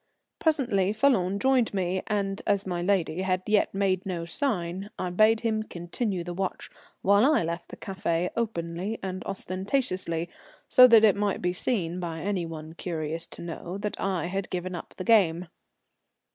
Presently Falloon joined me, and as my lady had as yet made no sign, I bade him continue the watch, while I left the café openly and ostentatiously, so that it might be seen by any one curious to know that I had given up the game.